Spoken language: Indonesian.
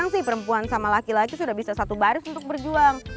nah aku tahu